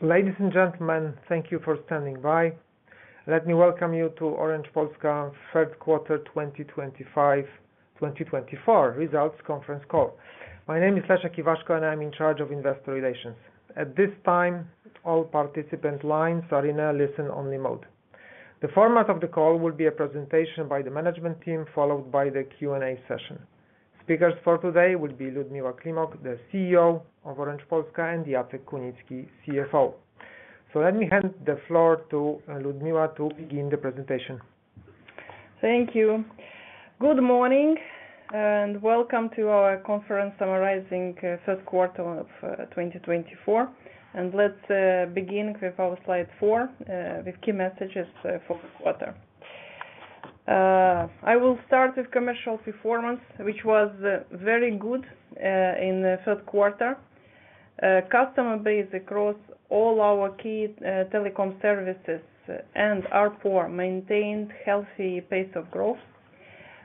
Ladies and gentlemen, thank you for standing by. Let me welcome you to Orange Polska Q3 2025, 2024 results conference call. My name is Leszek Iwaszko, and I'm in charge of investor relations. At this time, all participant lines are in a listen-only mode. The format of the call will be a presentation by the management team, followed by the Q&A session. Speakers for today will be Liudmila Climoc, the CEO of Orange Polska, and Jacek Kunicki, CFO. So let me hand the floor to Liudmila to begin the presentation. Thank you. Good morning, and welcome to our conference summarizing third quarter of 2024. Let's begin with our slide four with key messages for this quarter. I will start with commercial performance, which was very good in the third quarter. Customer base across all our key telecom services and ARPU maintained healthy pace of growth.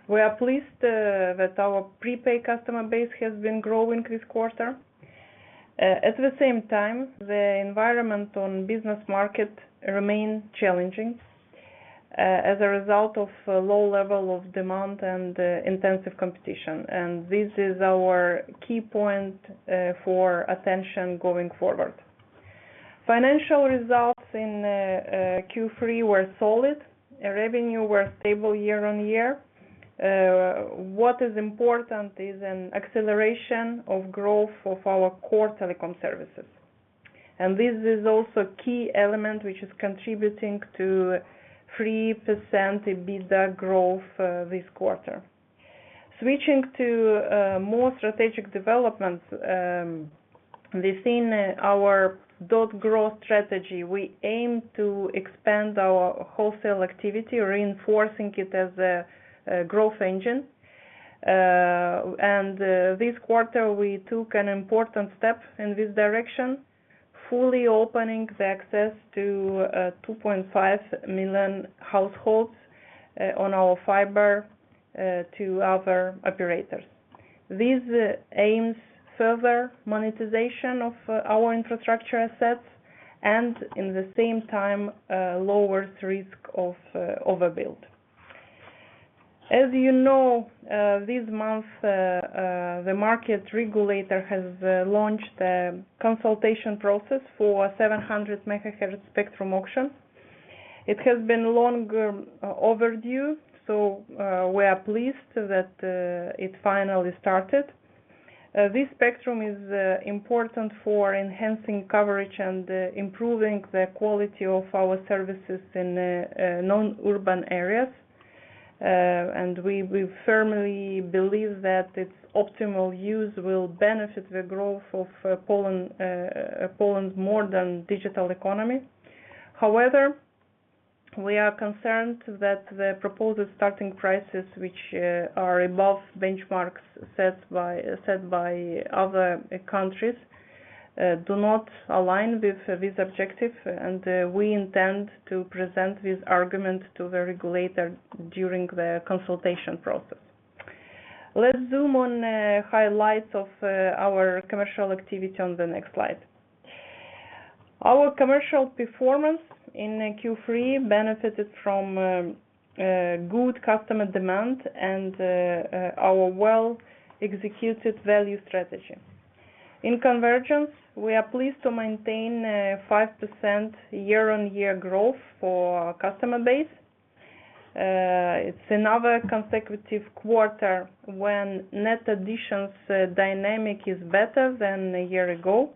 We are pleased that our prepaid customer base has been growing this quarter. At the same time, the environment on business market remains challenging as a result of a low level of demand and intensive competition, and this is our key point for attention going forward. Financial results in Q3 were solid. Revenue were stable year on year. What is important is an acceleration of growth of our core telecom services. This is also a key element which is contributing to 3% EBITDA growth this quarter. Switching to more strategic developments within our .Grow strategy, we aim to expand our wholesale activity, reinforcing it as a growth engine. This quarter, we took an important step in this direction, fully opening the access to 2.5 million households on our fiber to other operators. This aims further monetization of our infrastructure assets and in the same time lowers risk of overbuild. As you know, this month the market regulator has launched a consultation process for 700 MHz spectrum auction. It has been long overdue, so we are pleased that it finally started. This spectrum is important for enhancing coverage and improving the quality of our services in non-urban areas, and we firmly believe that its optimal use will benefit the growth of Poland's modern digital economy. However, we are concerned that the proposed starting prices, which are above benchmarks set by other countries, do not align with this objective, and we intend to present this argument to the regulator during the consultation process. Let's zoom in on highlights of our commercial activity on the next slide. Our commercial performance in Q3 benefited from good customer demand and our well-executed value strategy. In convergence, we are pleased to maintain 5% year-on-year growth for our customer base. It's another consecutive quarter when net additions dynamic is better than a year ago,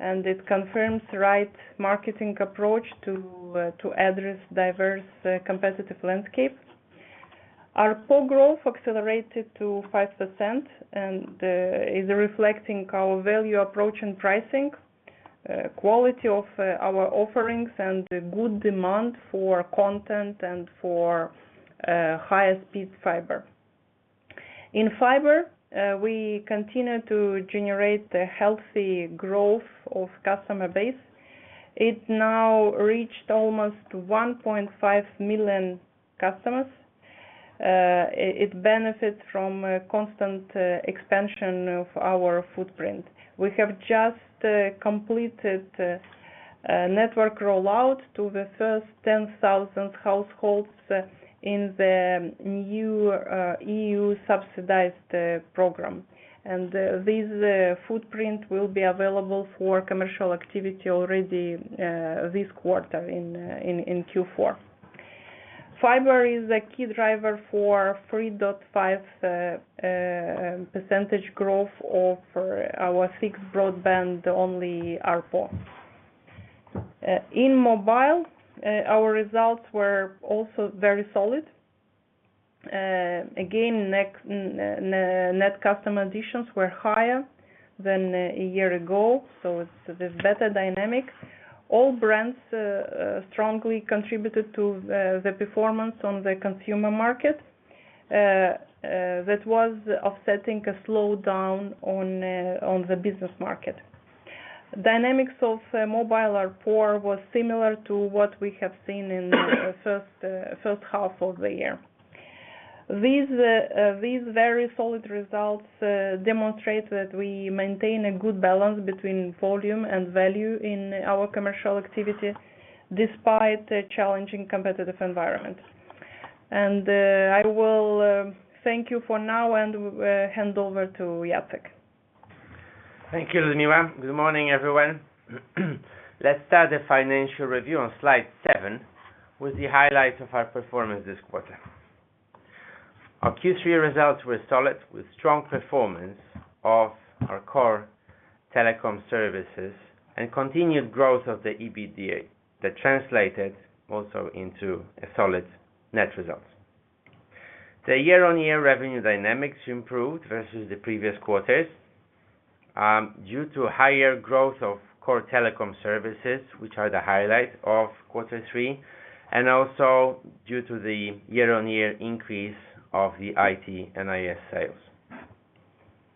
and it confirms the right marketing approach to to address diverse competitive landscape. Our ARPU growth accelerated to 5% and is reflecting our value approach and pricing quality of our offerings and good demand for content and for higher speed fiber. In fiber, we continue to generate the healthy growth of customer base. It now reached almost 1.5 million customers. It benefits from a constant expansion of our footprint. We have just completed a network rollout to the first 10,000 households in the new EU subsidized program. This footprint will be available for commercial activity already this quarter in Q4. Fiber is a key driver for 3.5% growth of our fixed broadband-only ARPU. In mobile, our results were also very solid. Again, net customer additions were higher than a year ago, so it's the better dynamics. All brands strongly contributed to the performance on the consumer market that was offsetting a slowdown on the business market. Dynamics of mobile ARPU was similar to what we have seen in the first half of the year... These very solid results demonstrate that we maintain a good balance between volume and value in our commercial activity, despite a challenging competitive environment. I will thank you for now, and hand over to Jacek. Thank you, Liudmila. Good morning, everyone. Let's start the financial review on slide seven with the highlights of our performance this quarter. Our Q3 results were solid, with strong performance of our core telecom services and continued growth of the EBITDA, that translated also into a solid net result. The year-on-year revenue dynamics improved versus the previous quarters, due to higher growth of core telecom services, which are the highlight of quarter three, and also due to the year-on-year increase of the IT and IS sales.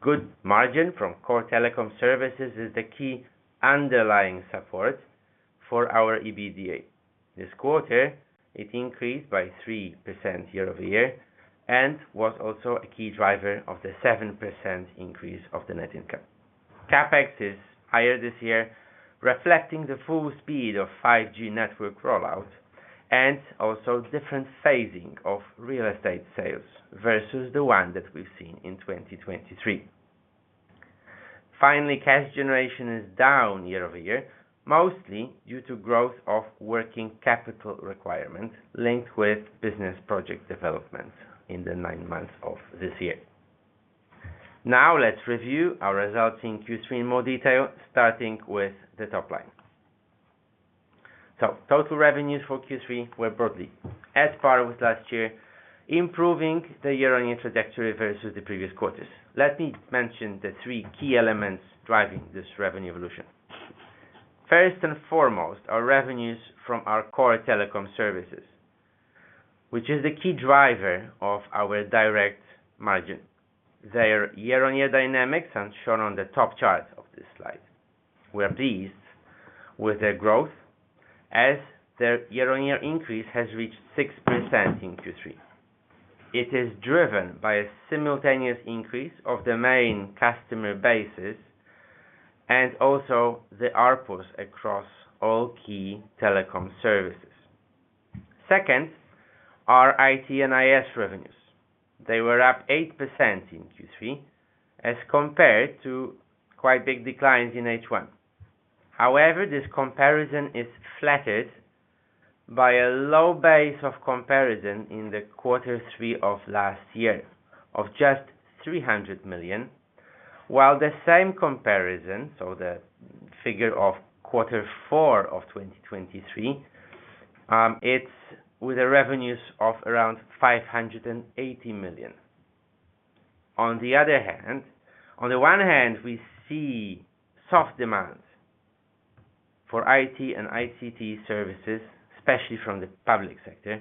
Good margin from core telecom services is the key underlying support for our EBITDA. This quarter, it increased by 3% YoY and was also a key driver of the 7% increase of the net income. CapEx is higher this year, reflecting the full speed of 5G network rollout and also different phasing of real estate sales versus the one that we've seen in 2023. Finally, cash generation is down YoY, mostly due to growth of working capital requirements linked with business project development in the nine months of this year. Now, let's review our results in Q3 in more detail, starting with the top line. So total revenues for Q3 were broadly flat with last year, improving the year-on-year trajectory versus the previous quarters. Let me mention the three key elements driving this revenue evolution. First and foremost, our revenues from our core telecom services, which is the key driver of our direct margin. Their year-on-year dynamics are shown on the top chart of this slide. We're pleased with their growth, as their year-on-year increase has reached 6% in Q3. It is driven by a simultaneous increase of the main customer bases and also the ARPUs across all key telecom services. Second, our IT and IS revenues. They were up 8% in Q3 as compared to quite big declines in H1. However, this comparison is flattered by a low base of comparison in the quarter three of last year, of just 300 million, while the same comparison, so the figure of quarter four of 2023, it's with the revenues of around 580 million. On the other hand. On the one hand, we see soft demand for IT and ICT services, especially from the public sector.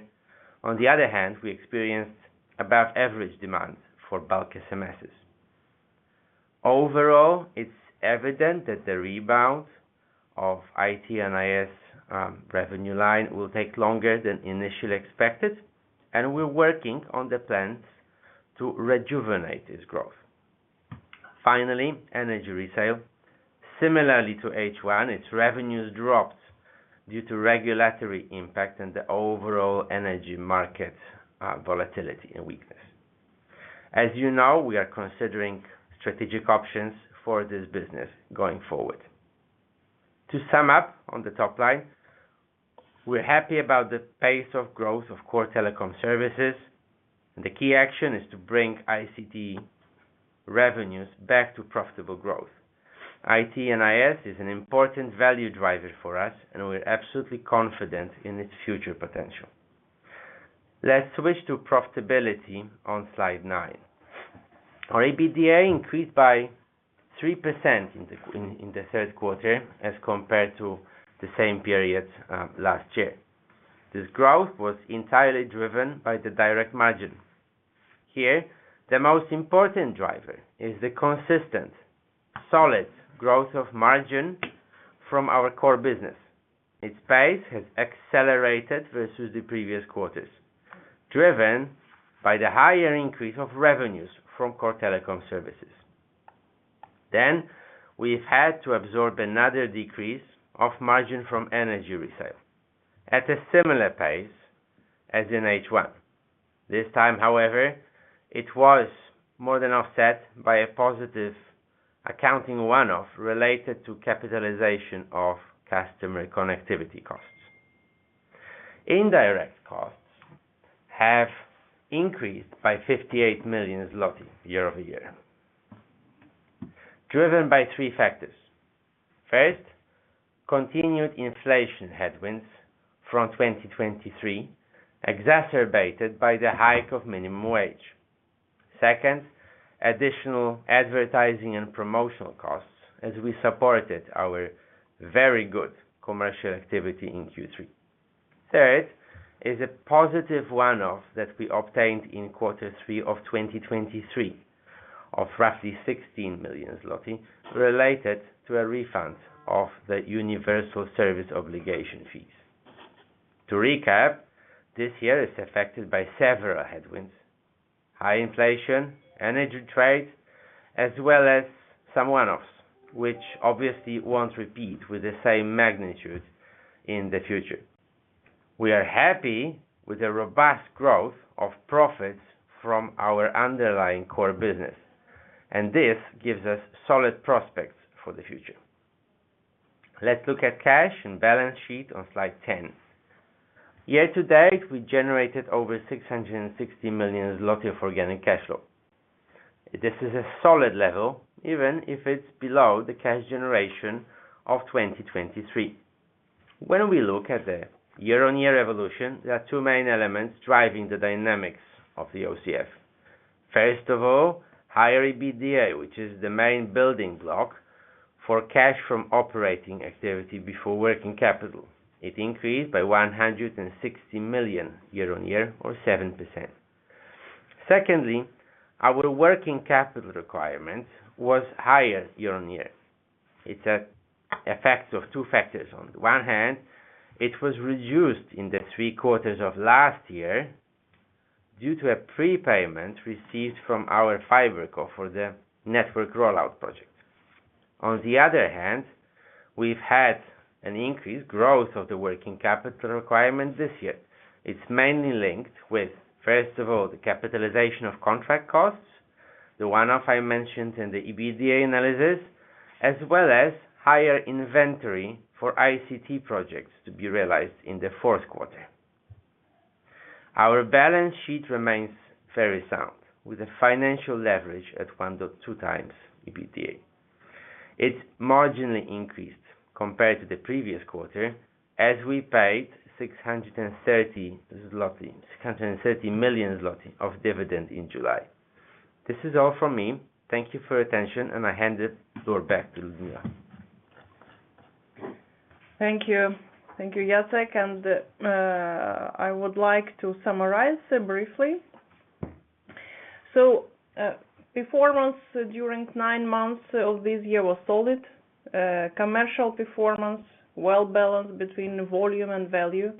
On the other hand, we experienced above average demand for bulk SMSs. Overall, it's evident that the rebound of IT and IS revenue line will take longer than initially expected, and we're working on the plans to rejuvenate this growth. Finally, energy resale. Similarly to H1, its revenues dropped due to regulatory impact and the overall energy market volatility and weakness. As you know, we are considering strategic options for this business going forward. To sum up on the top line, we're happy about the pace of growth of core telecom services. The key action is to bring ICT revenues back to profitable growth. IT and IS is an important value driver for us, and we're absolutely confident in its future potential. Let's switch to profitability on slide nine. Our EBITDA increased by 3% in the third quarter as compared to the same period last year. This growth was entirely driven by the direct margin. Here, the most important driver is the consistent, solid growth of margin from our core business. Its pace has accelerated versus the previous quarters, driven by the higher increase of revenues from core telecom services. Then, we've had to absorb another decrease of margin from energy resale at a similar pace as in H1. This time, however, it was more than offset by a positive accounting one-off related to capitalization of customer connectivity costs. Indirect costs have increased by 58 million zloty year over year, driven by three factors. First, continued inflation headwinds from 2023, exacerbated by the hike of minimum wage. Second, additional advertising and promotional costs, as we supported our very good commercial activity in Q3. Third, is a positive one-off that we obtained in quarter three of 2023 of roughly 16 million zloty, related to a refund of the universal service obligation fees. To recap, this year is affected by several headwinds: high inflation, energy trade, as well as some one-offs, which obviously won't repeat with the same magnitude in the future. We are happy with the robust growth of profits from our underlying core business, and this gives us solid prospects for the future. Let's look at cash and balance sheet on slide ten. Year-to-date, we generated over 660 million zloty of organic cash flow. This is a solid level, even if it's below the cash generation of 2023. When we look at the year-on-year evolution, there are two main elements driving the dynamics of the OCF. First of all, higher EBITDA, which is the main building block for cash from operating activity before working capital. It increased by 160 million YoY, or 7%. Secondly, our working capital requirement was higher year-on-year. It's an effect of two factors. On the one hand, it was reduced in the three quarters of last year due to a prepayment received from our FiberCo for the network rollout project. On the other hand, we've had an increased growth of the working capital requirement this year. It's mainly linked with, first of all, the capitalization of contract costs, the one-off I mentioned in the EBITDA analysis, as well as higher inventory for ICT projects to be realized in the fourth quarter. Our balance sheet remains very sound, with a financial leverage at 1.2 times EBITDA. It marginally increased compared to the previous quarter, as we paid 630 million zloty of dividend in July. This is all from me. Thank you for your attention, and I hand the floor back to Liudmila. Thank you. Thank you, Jacek, and I would like to summarize briefly. So, performance during nine months of this year was solid. Commercial performance, well balanced between volume and value,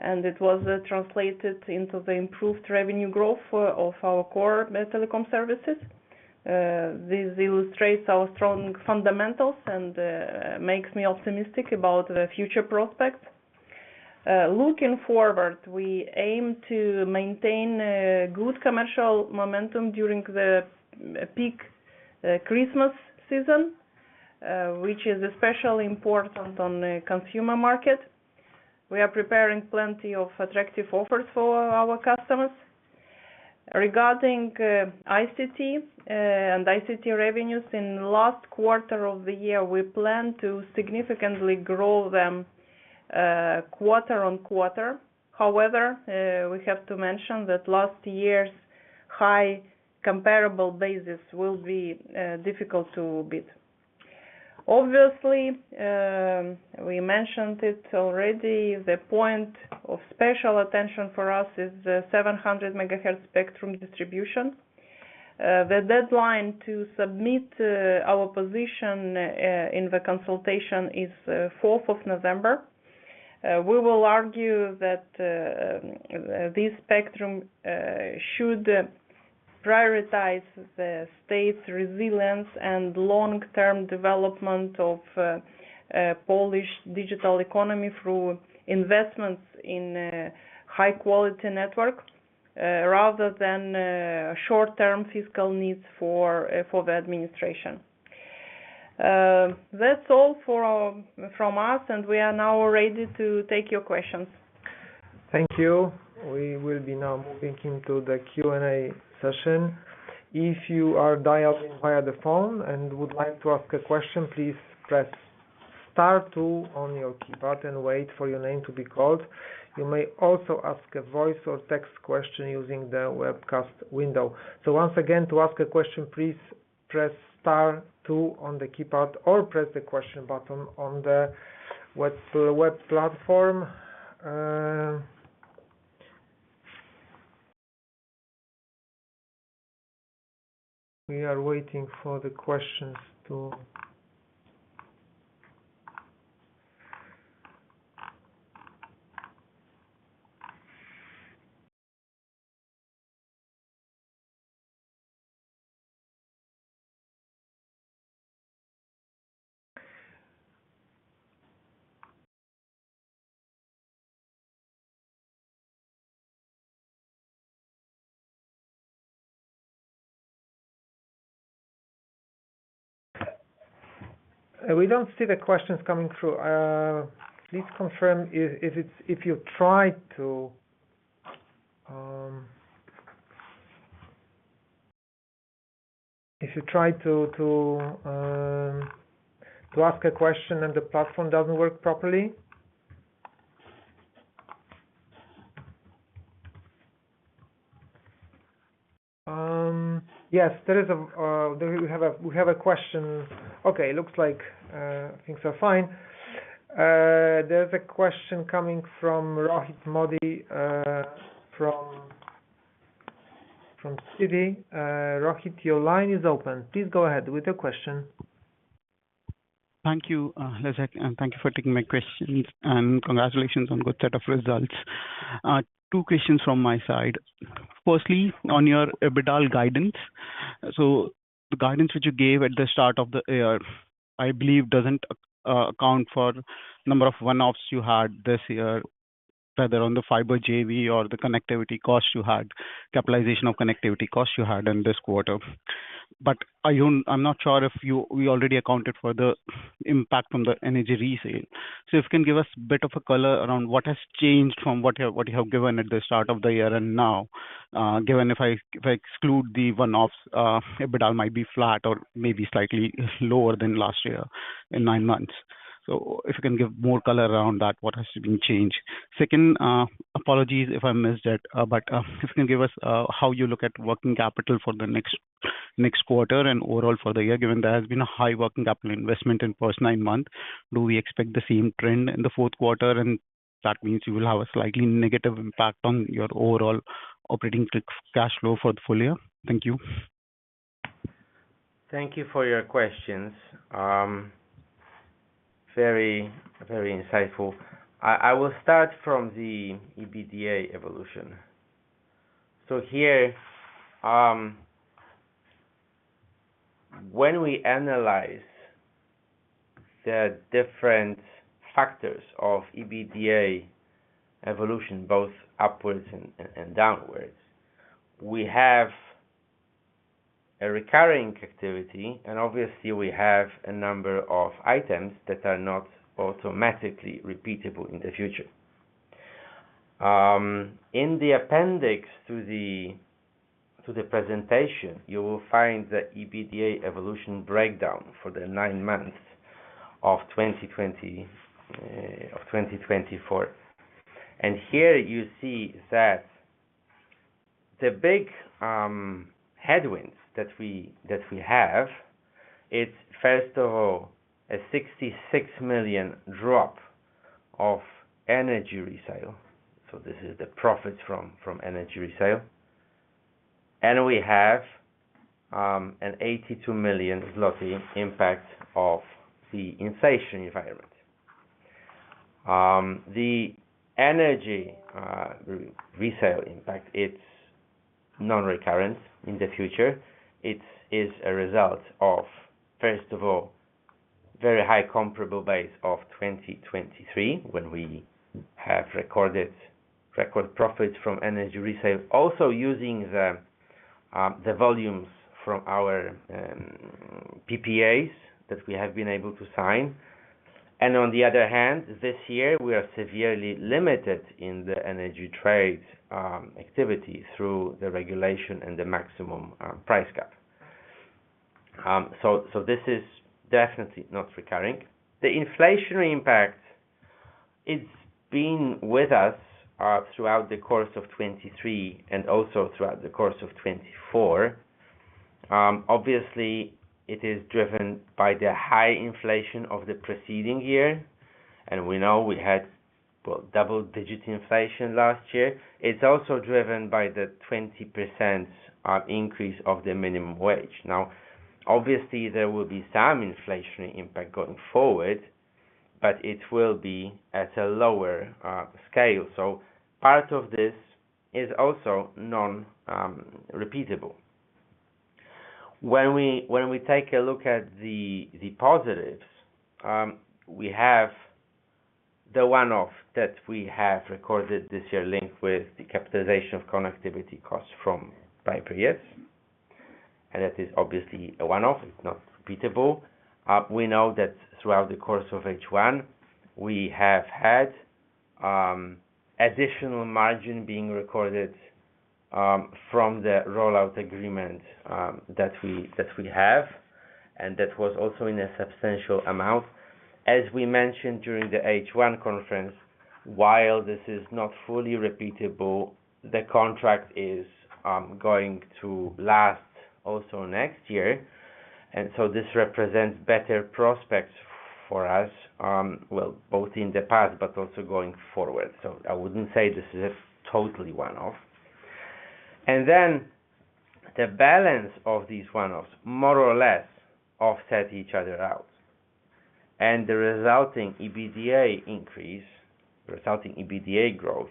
and it was translated into the improved revenue growth of our core telecom services. This illustrates our strong fundamentals and makes me optimistic about the future prospects. Looking forward, we aim to maintain a good commercial momentum during the peak Christmas season, which is especially important on the consumer market. We are preparing plenty of attractive offers for our customers. Regarding ICT and ICT revenues, in last quarter of the year, we plan to significantly grow them quarter on quarter. However, we have to mention that last year's high comparable basis will be difficult to beat. Obviously, we mentioned it already, the point of special attention for us is the 700 MHz spectrum distribution. The deadline to submit our position in the consultation is fourth of November. We will argue that this spectrum should prioritize the state's resilience and long-term development of Polish digital economy through investments in high-quality network rather than short-term fiscal needs for the administration. That's all from us, and we are now ready to take your questions. Thank you. We will be now moving into the Q&A session. If you are dialed in via the phone and would like to ask a question, please press star two on your keypad and wait for your name to be called. You may also ask a voice or text question using the webcast window. So once again, to ask a question, please press star two on the keypad or press the question button on the web platform. We are waiting for the questions to... We don't see the questions coming through. Please confirm if you tried to ask a question and the platform doesn't work properly? Yes, we have a question. Okay, it looks like things are fine.... There's a question coming from Rohit Modi, from Citi. Rohit, your line is open. Please go ahead with your question. Thank you, Leszek, and thank you for taking my questions, and congratulations on good set of results. Two questions from my side. Firstly, on your EBITDA guidance. So the guidance which you gave at the start of the year, I believe, doesn't account for number of one-offs you had this year, whether on the fiber JV or the connectivity costs you had, capitalization of connectivity costs you had in this quarter. But I'm not sure if you already accounted for the impact from the energy resale. So if you can give us a bit of a color around what has changed from what you have given at the start of the year and now, given if I exclude the one-offs, EBITDA might be flat or maybe slightly lower than last year in nine months. So if you can give more color around that, what has been changed? Second, apologies if I missed it, but if you can give us how you look at working capital for the next quarter and overall for the year, given there has been a high working capital investment in first nine months. Do we expect the same trend in the fourth quarter? And that means you will have a slightly negative impact on your overall operating cash flow for the full year. Thank you. Thank you for your questions. Very, very insightful. I will start from the EBITDA evolution. So here, when we analyze the different factors of EBITDA evolution, both upwards and downwards, we have a recurring activity, and obviously, we have a number of items that are not automatically repeatable in the future. In the appendix to the presentation, you will find the EBITDA evolution breakdown for the nine months of 2024. And here you see that the big headwinds that we have, it's first of all a 66 million drop of energy resale. So this is the profit from energy resale. And we have an 82 million zloty impact of the inflation environment. The energy resale impact, it's nonrecurrent in the future. It is a result of, first of all, very high comparable base of 2023, when we have recorded record profits from energy resale. Also, using the volumes from our PPAs that we have been able to sign. And on the other hand, this year, we are severely limited in the energy trade activity through the regulation and the maximum price cap. So this is definitely not recurring. The inflationary impact, it's been with us throughout the course of 2023 and also throughout the course of 2024. Obviously, it is driven by the high inflation of the preceding year, and we know we had, well, double-digit inflation last year. It's also driven by the 20% increase of the minimum wage. Now, obviously, there will be some inflationary impact going forward, but it will be at a lower scale. So part of this is also non-repeatable. When we take a look at the positives, we have the one-off that we have recorded this year, linked with the capitalization of connectivity costs from five years. And that is obviously a one-off. It's not repeatable. We know that throughout the course of H1, we have had additional margin being recorded from the rollout agreement that we have, and that was also in a substantial amount. As we mentioned during the H1 conference, while this is not fully repeatable, the contract is going to last also next year, and so this represents better prospects for us, well, both in the past but also going forward. So I wouldn't say this is a totally one-off. And then, the balance of these one-offs more or less offset each other out. The resulting EBITDA increase, resulting EBITDA growth,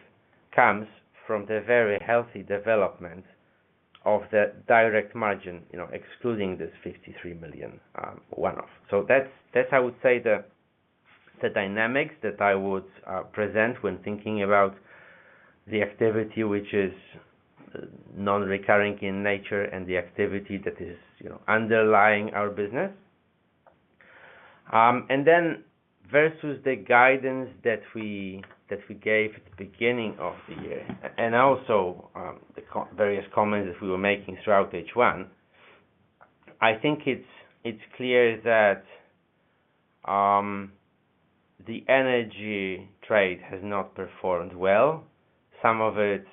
comes from the very healthy development of the direct margin, you know, excluding this 53 million one-off. So that's, that's I would say the dynamics that I would present when thinking about the activity, which is non-recurring in nature and the activity that is, you know, underlying our business. And then versus the guidance that we gave at the beginning of the year, and also the various comments that we were making throughout H1, I think it's clear that the energy trade has not performed well. Some of it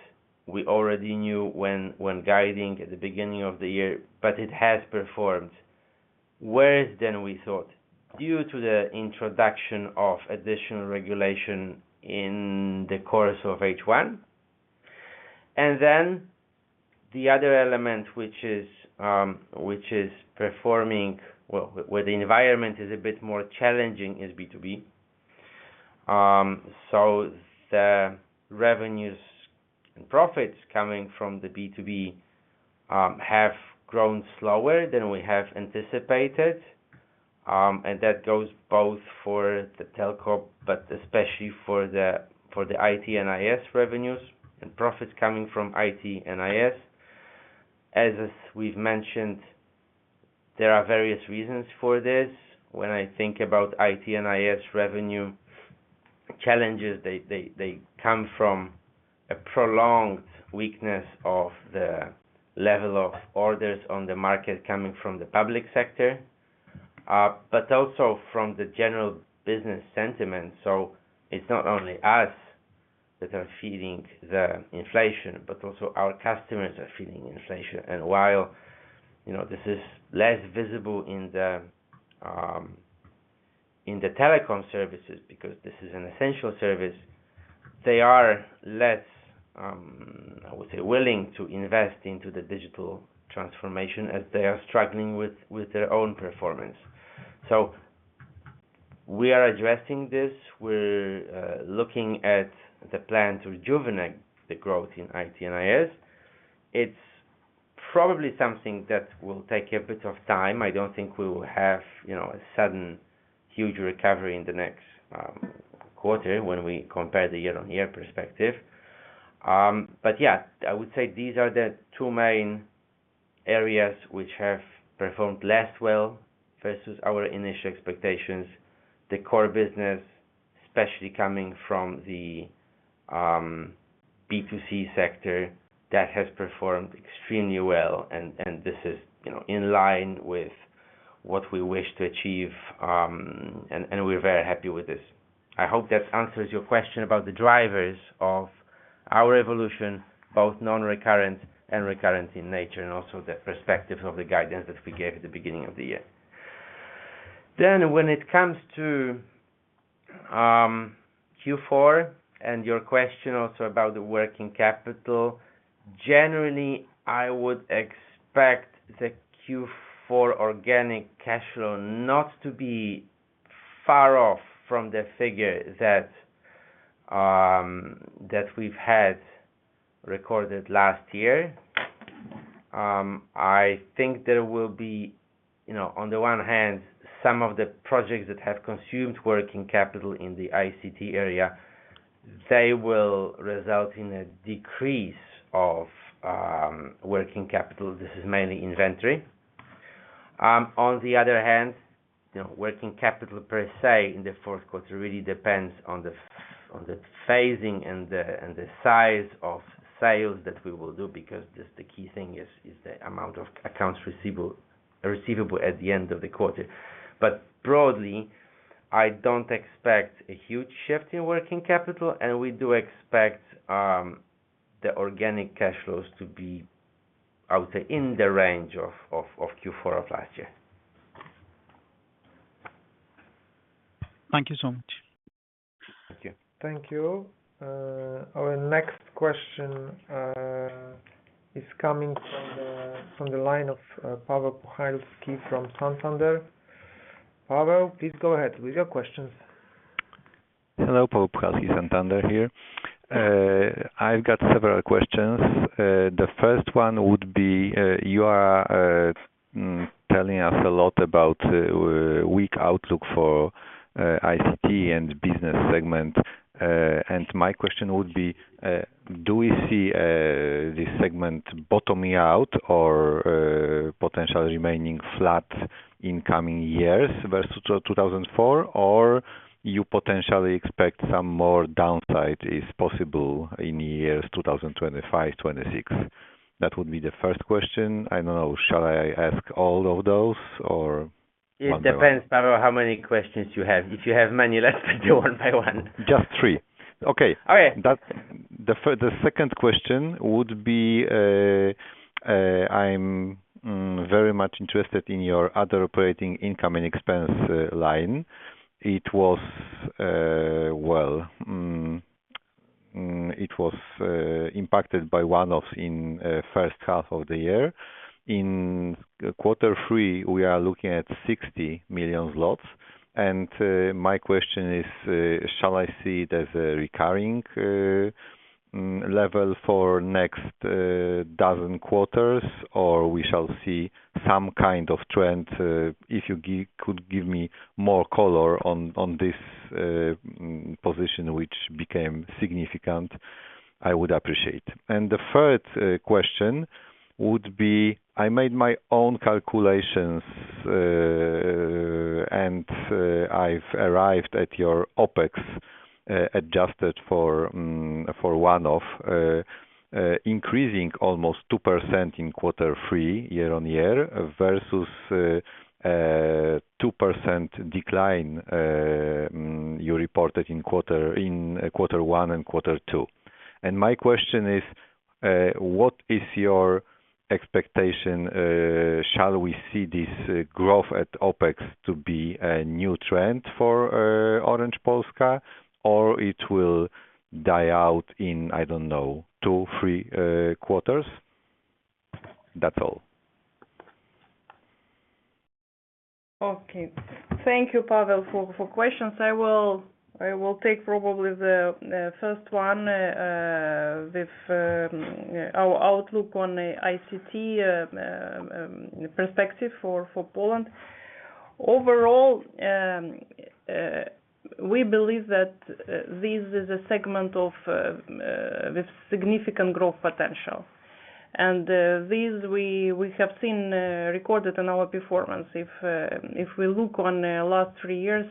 we already knew when guiding at the beginning of the year, but it has performed worse than we thought, due to the introduction of additional regulation in the course of H1. And then the other element, which is performing well, where the environment is a bit more challenging, is B2B. So the revenues and profits coming from the B2B have grown slower than we have anticipated. And that goes both for the telco, but especially for the IT and IS revenues and profits coming from IT and IS. As we've mentioned, there are various reasons for this. When I think about IT and IS revenue challenges, they come from a prolonged weakness of the level of orders on the market coming from the public sector, but also from the general business sentiment. So it's not only us that are feeling the inflation, but also our customers are feeling inflation. While, you know, this is less visible in the telecom services, because this is an essential service, they are less, I would say, willing to invest into the digital transformation as they are struggling with their own performance. So we are addressing this. We're looking at the plan to rejuvenate the growth in IT and IS. It's probably something that will take a bit of time. I don't think we will have, you know, a sudden huge recovery in the next quarter when we compare the year-on-year perspective. But yeah, I would say these are the two main areas which have performed less well versus our initial expectations. The core business, especially coming from the B2C sector, that has performed extremely well, and this is, you know, in line with what we wish to achieve, and we're very happy with this. I hope that answers your question about the drivers of our evolution, both non-recurrent and recurrent in nature, and also the perspective of the guidance that we gave at the beginning of the year. Then, when it comes to Q4 and your question also about the working capital, generally, I would expect the Q4 organic cash flow not to be far off from the figure that we've had recorded last year. I think there will be, you know, on the one hand, some of the projects that have consumed working capital in the ICT area, they will result in a decrease of working capital. This is mainly inventory. On the other hand, you know, working capital per se, in the fourth quarter really depends on the phasing and the size of sales that we will do, because the key thing is the amount of accounts receivable at the end of the quarter. But broadly, I don't expect a huge shift in working capital, and we do expect the organic cash flows to be, I would say, in the range of Q4 of last year. Thank you so much. Thank you. Thank you. Our next question is coming from the line of Paweł Puchalski from Santander. Paweł, please go ahead with your questions. Hello, Paweł Puchalski, Santander here. I've got several questions. The first one would be, you are telling us a lot about weak outlook for ICT and business segment. And my question would be, do we see this segment bottoming out or potentially remaining flat in coming years versus 2024? Or you potentially expect some more downside is possible in years 2025, 2026? That would be the first question. I don't know. Shall I ask all of those or one? It depends, Paweł, how many questions you have. If you have many, let's go one by one. Just three. Okay. Okay. That's the second question would be, I'm very much interested in your other operating income and expense line. It was well impacted by one-off in first half of the year. In quarter three, we are looking at 60 million zlotys. And my question is, shall I see it as a recurring level for next dozen quarters, or we shall see some kind of trend, if you could give me more color on this position, which became significant, I would appreciate. And the third question would be, I made my own calculations, and I've arrived at your OpEx, adjusted for one-off, increasing almost 2% in quarter three, year-on-year, versus a 2% decline you reported in quarter one and quarter two. And my question is, what is your expectation, shall we see this growth at OpEx to be a new trend for Orange Polska, or it will die out in, I don't know, two, three quarters? That's all. Okay. Thank you, Paweł, for questions. I will take probably the first one with our outlook on ICT perspective for Poland. Overall, we believe that this is a segment with significant growth potential. And this we have seen recorded in our performance. If we look on last three years,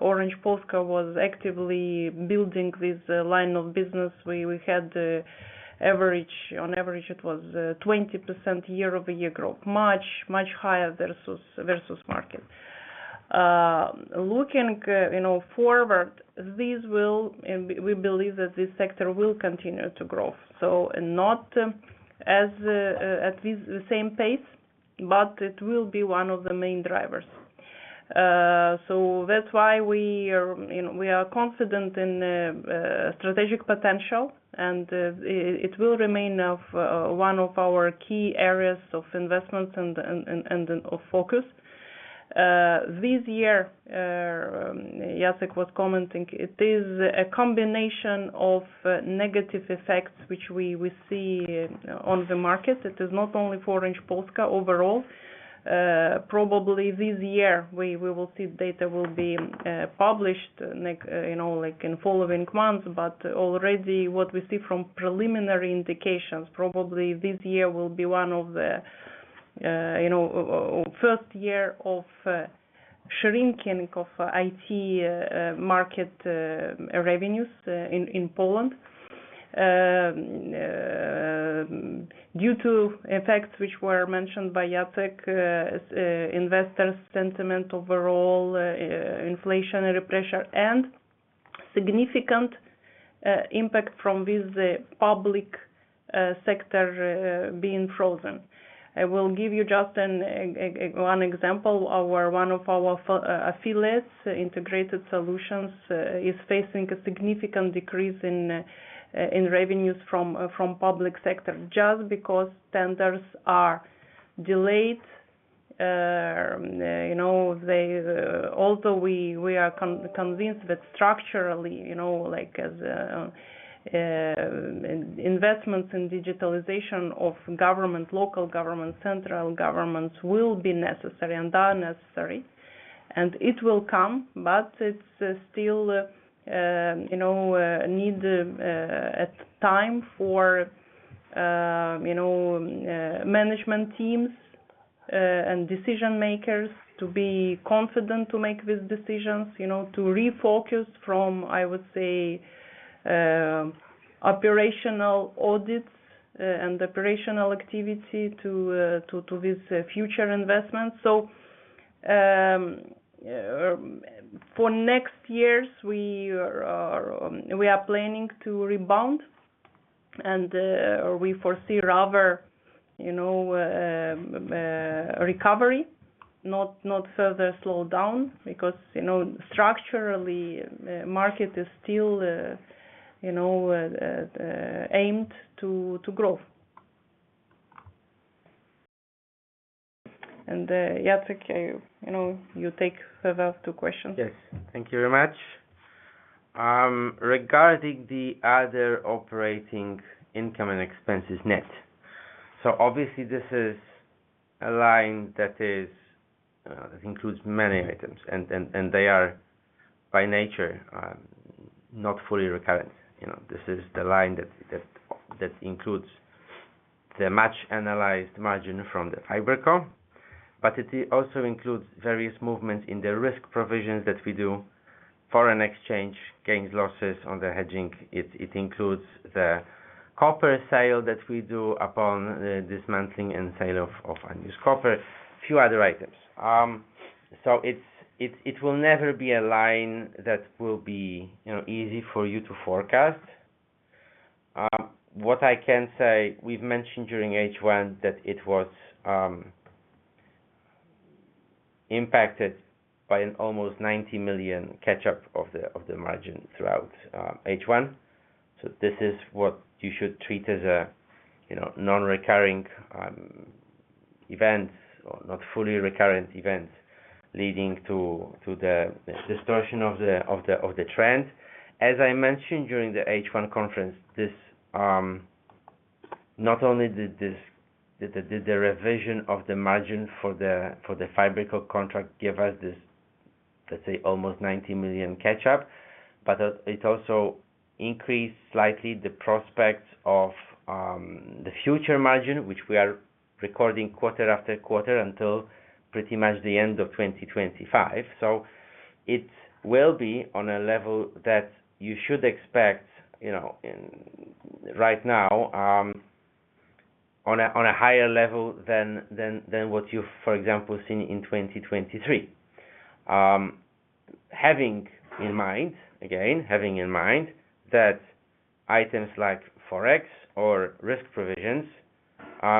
Orange Polska was actively building this line of business. We had average, on average, it was 20% YoY growth, much higher versus market. Looking, you know, forward, this will, and we believe that this sector will continue to grow. So and not as at least the same pace, but it will be one of the main drivers. So that's why we are, you know, we are confident in the strategic potential, and it will remain one of our key areas of investments and of focus. This year, Jacek was commenting, it is a combination of negative effects, which we see on the market. It is not only for Orange Polska overall. Probably this year, we will see data will be published, like, you know, like in following months, but already what we see from preliminary indications, probably this year will be one of the, you know, first year of shrinking of IT market revenues in Poland. Due to effects which were mentioned by Jacek, as investors' sentiment overall, inflationary pressure, and significant impact from this public sector being frozen. I will give you just one example of where one of our affiliates, Integrated Solutions, is facing a significant decrease in revenues from public sector, just because tenders are delayed. You know, they... Although we are convinced that structurally, you know, like, as, investments in digitalization of government, local government, central governments, will be necessary and are necessary, and it will come, but it's still, you know, need a time for, you know, management teams and decision makers to be confident to make these decisions, you know, to refocus from, I would say, operational audits and operational activity to this future investments. So, for next years, we are planning to rebound and we foresee rather, you know, recovery, not further slow down because, you know, structurally, market is still, you know, aimed to grow. And, Jacek, you know, you take further two questions. Yes. Thank you very much. Regarding the other operating income and expenses net. So obviously, this is a line that includes many items, and they are by nature not fully recurrent. You know, this is the line that includes the much analyzed margin from the FiberCo, but it also includes various movements in the risk provisions that we do, foreign exchange gains, losses on the hedging. It includes the copper sale that we do upon the dismantling and sale of unused copper, few other items. So it will never be a line that will be, you know, easy for you to forecast. What I can say, we've mentioned during H1 that it was impacted by an almost 90 million catch-up of the margin throughout H1. So this is what you should treat as a, you know, non-recurring event or not fully recurrent event, leading to the distortion of the trend. As I mentioned during the H1 conference, this not only did the revision of the margin for the FiberCo contract give us this, let's say, almost 90 million catch-up, but it also increased slightly the prospect of the future margin, which we are recording quarter after quarter until pretty much the end of 2025. So it will be on a level that you should expect, you know, in right now on a higher level than what you've, for example, seen in 2023. Having in mind, again, having in mind that items like Forex or risk provisions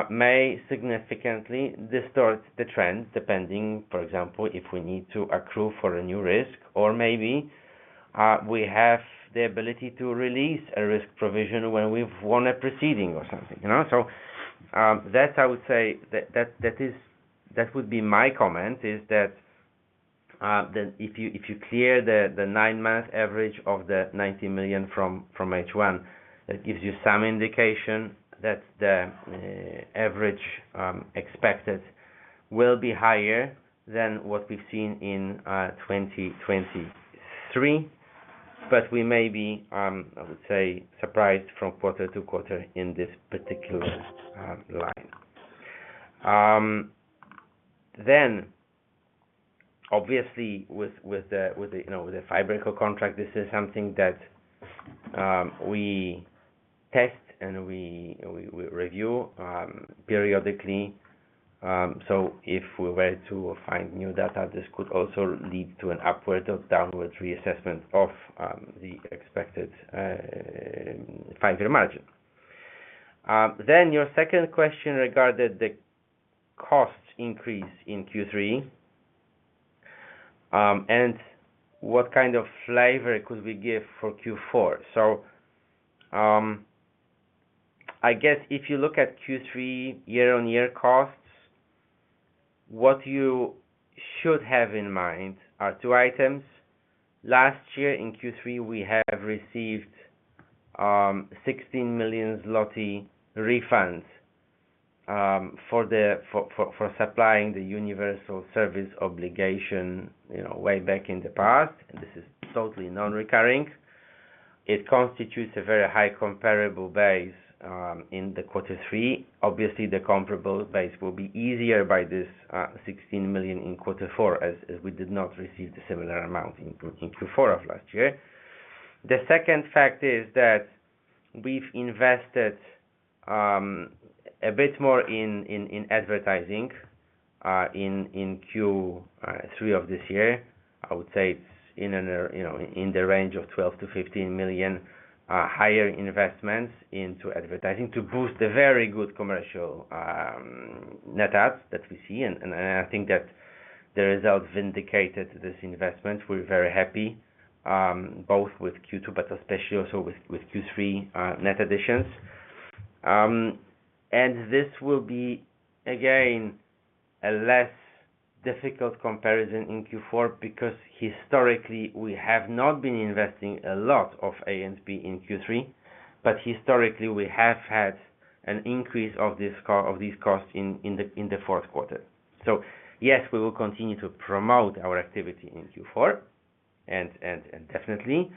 may significantly distort the trend, depending, for example, if we need to accrue for a new risk or maybe we have the ability to release a risk provision when we've won a proceeding or something, you know? So, that I would say that, that is, that would be my comment, is that, that if you, if you clear the, the nine-month average of the ninety million from, from H1, that gives you some indication that the, average, expected will be higher than what we've seen in, 2023. But we may be, I would say, surprised from quarter to quarter in this particular, line. Then obviously, you know, with the FiberCo contract, this is something that we test and we review periodically. So if we were to find new data, this could also lead to an upward or downward reassessment of the expected fiber margin. Then your second question regarded the cost increase in Q3, and what kind of flavor could we give for Q4? So I guess if you look at Q3 year-on-year costs, what you should have in mind are two items. Last year, in Q3, we have received 16 million zloty refunds for supplying the universal service obligation, you know, way back in the past, and this is totally non-recurring. It constitutes a very high comparable base in the quarter three. Obviously, the comparable base will be easier by this 16 million in quarter four, as we did not receive the similar amount in Q4 of last year. The second fact is that we've invested a bit more in advertising in Q3 of this year. I would say, you know, in the range of 12-15 million higher investments into advertising to boost the very good commercial net adds that we see. And I think that the results vindicated this investment. We're very happy both with Q2, but especially also with Q3 net additions. And this will be, again, a less difficult comparison in Q4, because historically we have not been investing a lot of A&P in Q3, but historically we have had an increase of these costs in the fourth quarter. So yes, we will continue to promote our activity in Q4 and definitely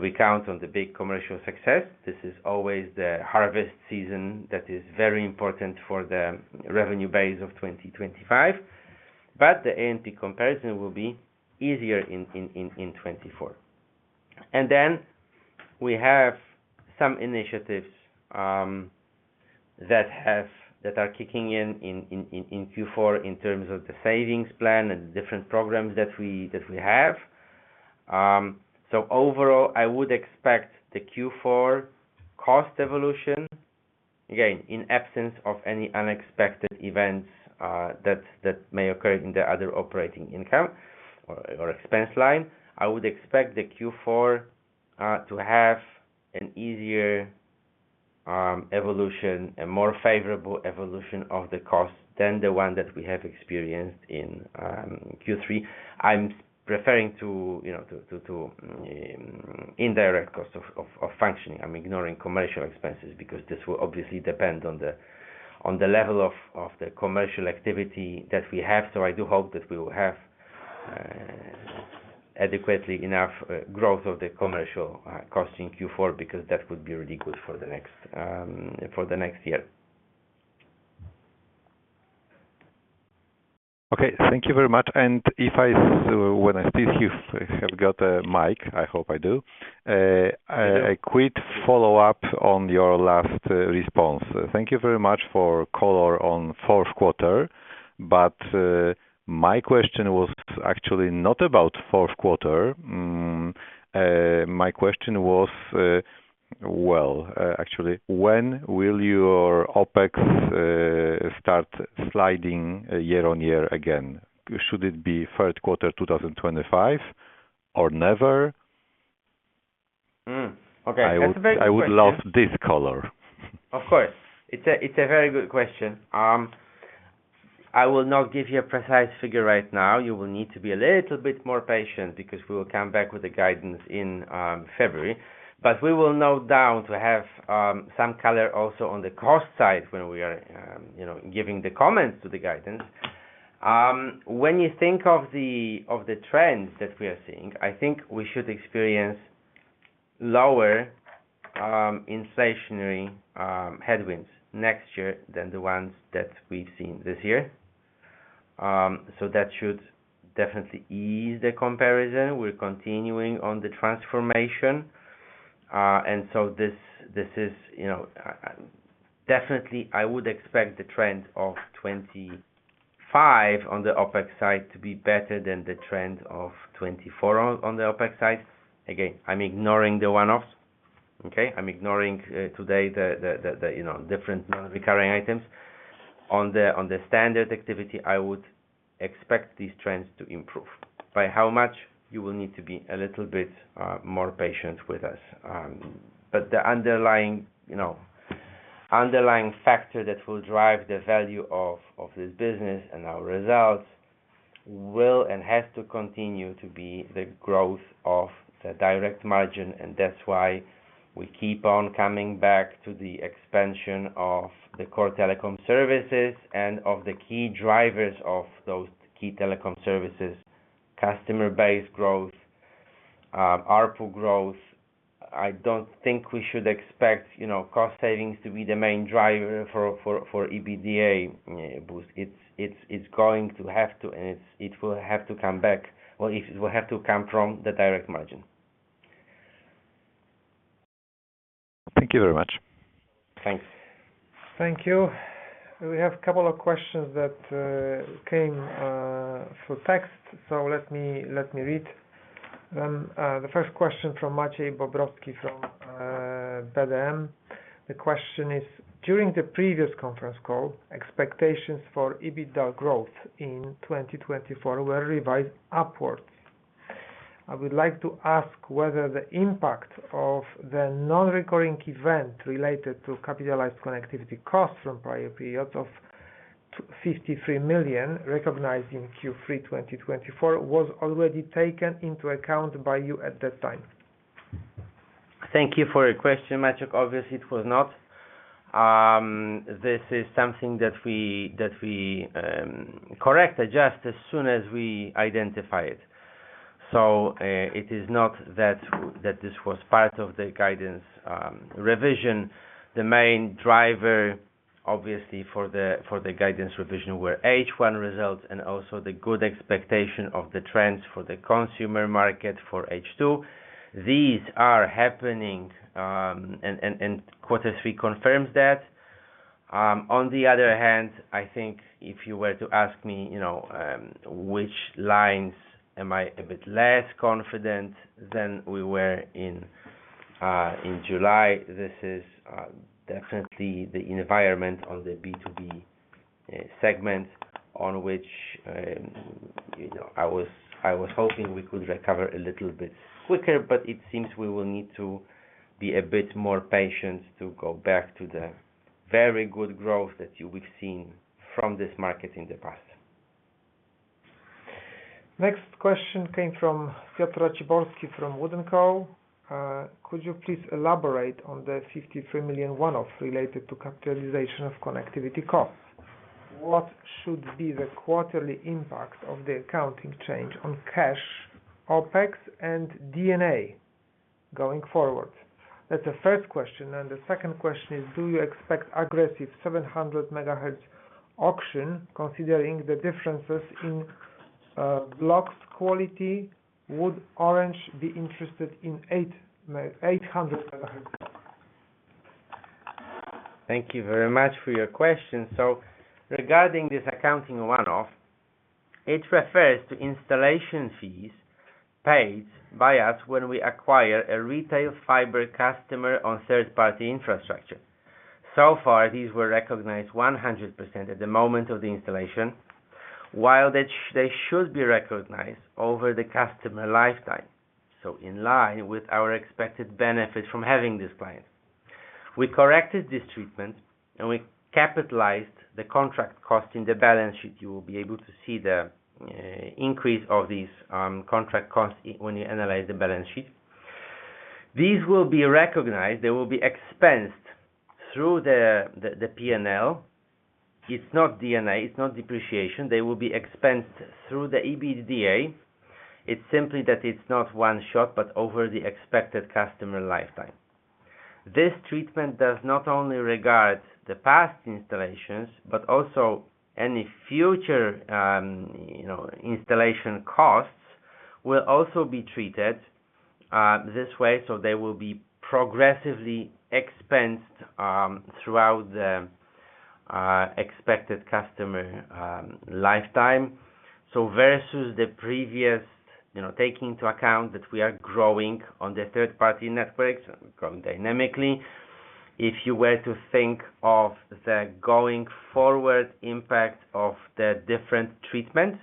we count on the big commercial success. This is always the harvest season that is very important for the revenue base of 2025, but the A&P comparison will be easier in 2024. Then we have some initiatives that are kicking in in Q4 in terms of the savings plan and the different programs that we have. So overall, I would expect the Q4 cost evolution, again, in absence of any unexpected events that may occur in the other operating income or expense line. I would expect the Q4 to have an easier evolution, a more favorable evolution of the cost than the one that we have experienced in Q3. I'm referring to, you know, to indirect cost of functioning. I'm ignoring commercial expenses because this will obviously depend on the level of the commercial activity that we have. So I do hope that we will have adequately enough growth of the commercial cost in Q4, because that would be really good for the next year. Okay, thank you very much. And if I still have got a mic, I hope I do. A quick follow-up on your last response. Thank you very much for color on fourth quarter, but my question was actually not about fourth quarter. My question was, well, actually, when will your OpEx start sliding year on year again? Should it be third quarter, 2025 or never? Okay, that's a very good question. I would love this color. Of course. It's a very good question. I will not give you a precise figure right now. You will need to be a little bit more patient because we will come back with the guidance in February. But we will no doubt have some color also on the cost side when we are, you know, giving the comments to the guidance. When you think of the trends that we are seeing, I think we should experience lower inflationary headwinds next year than the ones that we've seen this year. So that should definitely ease the comparison. We're continuing on the transformation. And so this is, you know, definitely I would expect the trend of 2025 on the OpEx side to be better than the trend of 2024 on the OpEx side. Again, I'm ignoring the one-offs, okay? I'm ignoring today, the you know different non-recurring items. On the standard activity, I would expect these trends to improve. By how much? You will need to be a little bit more patient with us. But the underlying you know factor that will drive the value of this business and our results will and has to continue to be the growth of the direct margin, and that's why we keep on coming back to the expansion of the core telecom services and of the key drivers of those key telecom services: customer base growth, ARPU growth. I don't think we should expect you know cost savings to be the main driver for EBITDA boost. It's going to have to, and it will have to come back, or it will have to come from the direct margin. Thank you very much. Thanks. Thank you. We have a couple of questions that came through text, so let me read. The first question from Maciej Bobrowski, from BDM. The question is, "During the previous conference call, expectations for EBITDA growth in 2024 were revised upwards. I would like to ask whether the impact of the non-recurring event related to capitalized connectivity costs from prior periods of 53 million, recognized in Q3 2024, was already taken into account by you at that time? Thank you for your question, Maciej. Obviously, it was not. This is something that we correct, adjust as soon as we identify it. So, it is not that this was part of the guidance revision. The main driver, obviously, for the guidance revision were H1 results and also the good expectation of the trends for the consumer market for H2. These are happening, and quarter three confirms that. On the other hand, I think if you were to ask me, you know, which lines am I a bit less confident than we were in July, this is definitely the environment on the B2B segment on which, you know, I was hoping we could recover a little bit quicker, but it seems we will need to be a bit more patient to go back to the very good growth that we've seen from this market in the past. Next question came from Piotr Raciborski, from WOOD & Company. Could you please elaborate on the 53 million one-off related to capitalization of connectivity costs? What should be the quarterly impact of the accounting change on cash, OpEx, and D&A going forward? That's the first question, and the second question is: Do you expect aggressive 700 MHz auction, considering the differences in blocks quality? Would Orange be interested in 800 MHz? Thank you very much for your question. So regarding this accounting one-off, it refers to installation fees paid by us when we acquire a retail fiber customer on third-party infrastructure. So far, these were recognized 100% at the moment of the installation, while they they should be recognized over the customer lifetime, so in line with our expected benefit from having this client. We corrected this treatment, and we capitalized the contract cost in the balance sheet. You will be able to see the increase of these contract costs when you analyze the balance sheet. These will be recognized, they will be expensed through the P&L. It's not D&A, it's not depreciation. They will be expensed through the EBITDA. It's simply that it's not one shot, but over the expected customer lifetime. This treatment does not only regard the past installations, but also any future, you know, installation costs, will also be treated this way, so they will be progressively expensed throughout the expected customer lifetime. So versus the previous, you know, taking into account that we are growing on the third-party networks, growing dynamically, if you were to think of the going forward impact of the different treatment,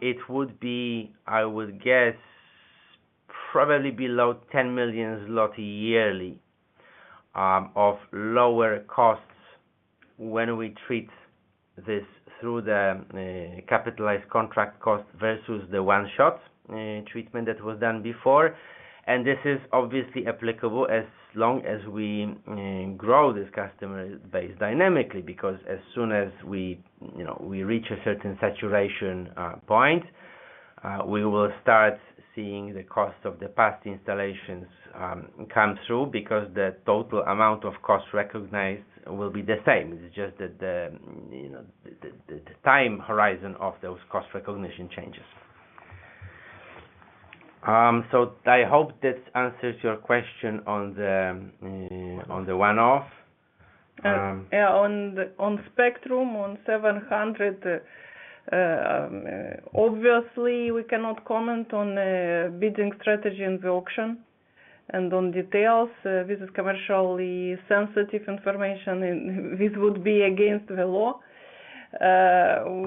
it would be, I would guess, probably below 10 million zloty yearly of lower costs when we treat this through the capitalized contract cost versus the one-shot treatment that was done before. And this is obviously applicable as long as we grow this customer base dynamically, because as soon as we, you know, we reach a certain saturation point... We will start seeing the cost of the past installations come through, because the total amount of costs recognized will be the same. It's just that the, you know, the time horizon of those cost recognition changes. So I hope that answers your question on the one-off. Yeah, on the spectrum, on 700, obviously, we cannot comment on bidding strategy in the auction and on details. This is commercially sensitive information, and this would be against the law.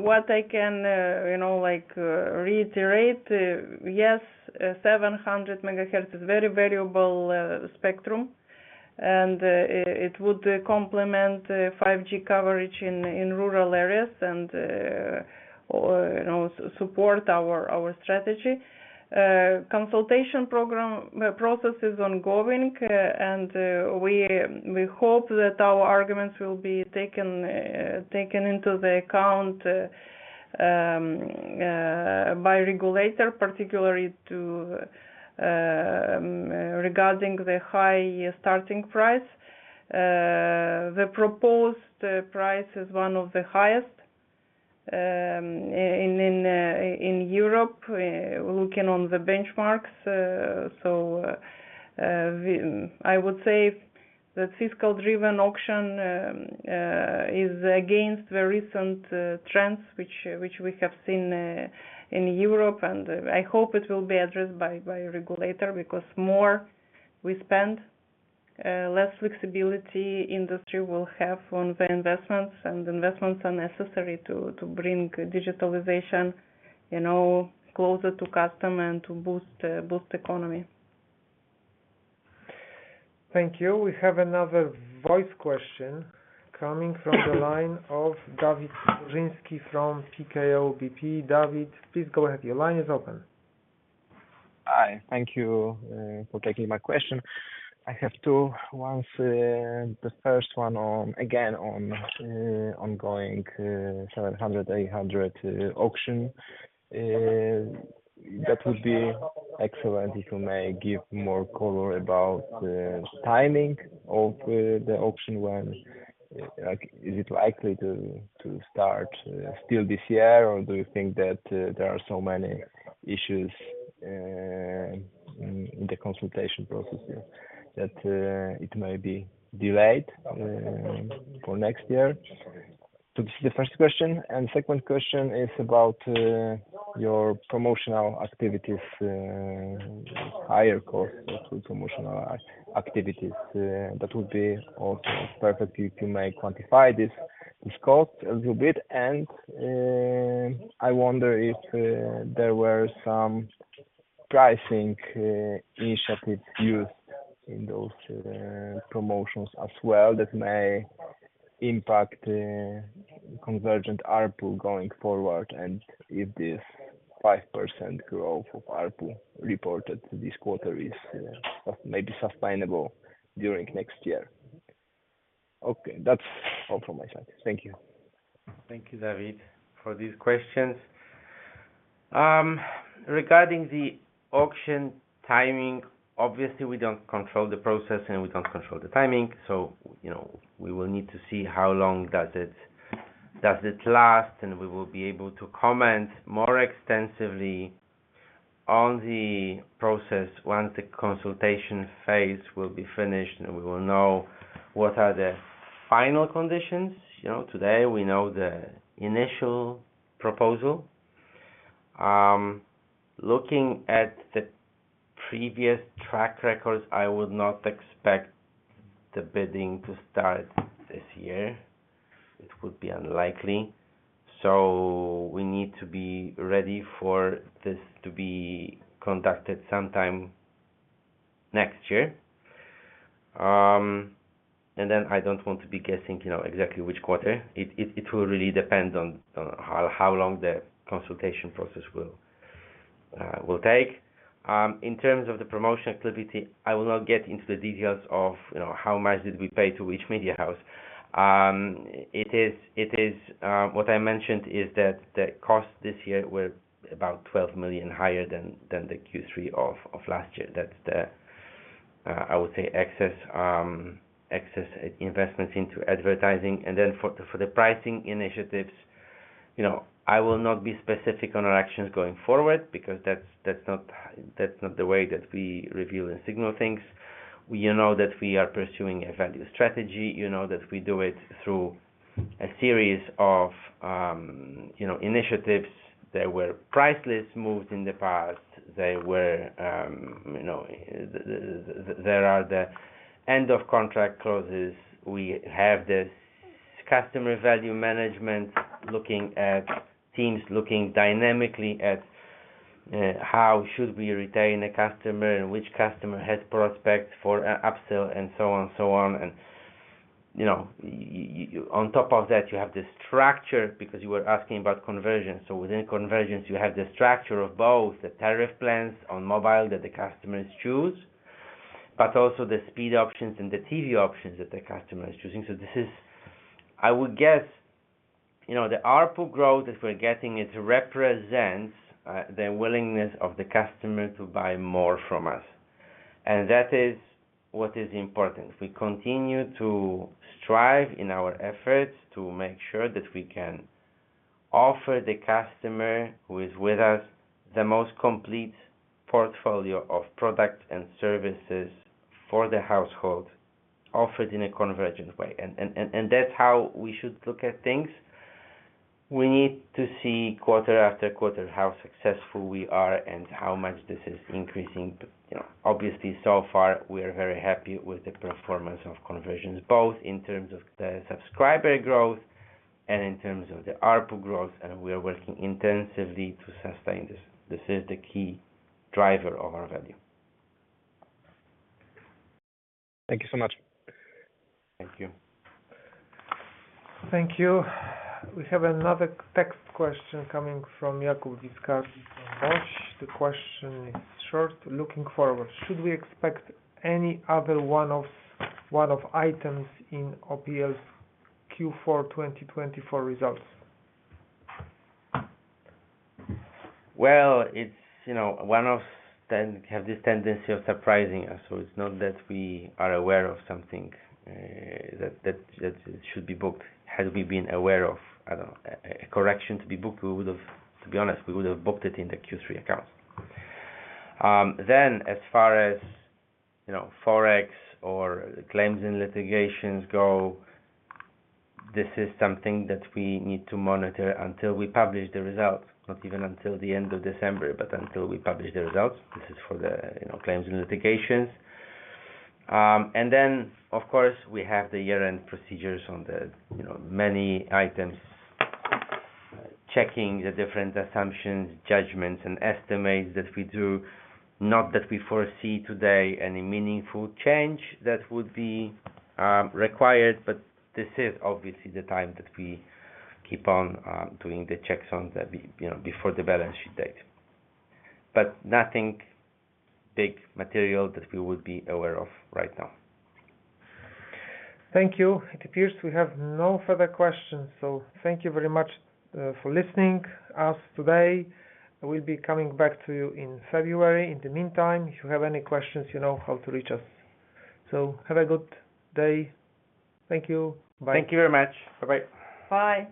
What I can, you know, like, reiterate, yes, 700 MHz is very variable spectrum, and it would complement 5G coverage in rural areas and, or, you know, support our strategy. Consultation program process is ongoing, and we hope that our arguments will be taken into the account by regulator, particularly regarding the high starting price. The proposed price is one of the highest in Europe, looking on the benchmarks. So, we... I would say the fiscally driven auction is against the recent trends which we have seen in Europe, and I hope it will be addressed by regulator, because more we spend, less flexibility industry will have on the investments, and investments are necessary to bring digitalization, you know, closer to customer and to boost economy. Thank you. We have another voice question coming from the line of Dawid Baranowski from PKO BP. Dawid, please go ahead. Your line is open. Hi. Thank you for taking my question. I have two. One, the first one on, again, on, ongoing 700, 800 auction. That would be excellent if you may give more color about the timing of the auction, when, like, is it likely to start still this year, or do you think that there are so many issues in the consultation processes that it may be delayed for next year? This is the first question, and second question is about your promotional activities, higher cost promotional activities. That would also be perfect if you may quantify this cost a little bit. I wonder if there were some pricing initiatives used in those promotions as well, that may impact convergence ARPU going forward, and if this 5% growth of ARPU reported this quarter is maybe sustainable during next year. Okay, that's all from my side. Thank you. Thank you, Dawid, for these questions. Regarding the auction timing, obviously, we don't control the process and we don't control the timing, so, you know, we will need to see how long does it last, and we will be able to comment more extensively on the process once the consultation phase will be finished, and we will know what are the final conditions. You know, today, we know the initial proposal. Looking at the previous track records, I would not expect the bidding to start this year. It would be unlikely. So we need to be ready for this to be conducted sometime next year. And then I don't want to be guessing, you know, exactly which quarter. It will really depend on how long the consultation process will take. In terms of the promotion activity, I will not get into the details of, you know, how much did we pay to which media house. It is what I mentioned is that the cost this year was about 12 million higher than the Q3 of last year. That's the I would say, excess investments into advertising. And then for the pricing initiatives, you know, I will not be specific on our actions going forward because that's not the way that we review and signal things. You know that we are pursuing a value strategy. You know that we do it through a series of, you know, initiatives. There were price list moves in the past. There were, you know, there are the end of contract clauses. We have this customer value management looking at... Teams looking dynamically at how should we retain a customer, and which customer has prospect for upsell, and so on and so on. And, you know, on top of that, you have this structure because you were asking about convergence. So within convergence, you have the structure of both the tariff plans on mobile that the customers choose, but also the speed options and the TV options that the customer is choosing. So this is, I would guess, you know, the ARPU growth that we're getting. It represents the willingness of the customer to buy more from us, and that is what is important. We continue to strive in our efforts to make sure that we can offer the customer who is with us the most complete portfolio of products and services for the household, offered in a convergent way. That's how we should look at things. We need to see quarter after quarter, how successful we are and how much this is increasing. But, you know, obviously, so far, we are very happy with the performance of convergence, both in terms of the subscriber growth and in terms of the ARPU growth, and we are working intensively to sustain this. This is the key driver of our value. Thank you so much. Thank you. Thank you. We have another text question coming from Jakub Viscardi from DM BOŚ. The question is short: Looking forward, should we expect any other one-offs, one-off items in OPL's Q4, 2024 results? It's, you know, one-offs tend to have this tendency of surprising us, so it's not that we are aware of something that should be booked. Had we been aware of, I don't know, a correction to be booked, we would have, to be honest, we would have booked it in the Q3 accounts. Then, as far as, you know, Forex or claims and litigations go, this is something that we need to monitor until we publish the results, not even until the end of December, but until we publish the results. This is for the, you know, claims and litigations. Of course, we have the year-end procedures on the, you know, many items, checking the different assumptions, judgments, and estimates that we do. Not that we foresee today any meaningful change that would be required, but this is obviously the time that we keep on doing the checks on the, you know, before the balance sheet date. But nothing big material that we would be aware of right now. Thank you. It appears we have no further questions, so thank you very much for listening to us today. We'll be coming back to you in February. In the meantime, if you have any questions, you know how to reach us, so have a good day. Thank you. Bye. Thank you very much. Bye-bye. Bye.